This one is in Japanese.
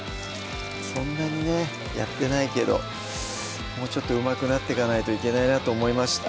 そんなにねやってないけどもうちょっとうまくなってかないといけないなと思いました